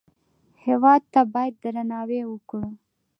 هېواد ته باید درناوی وکړو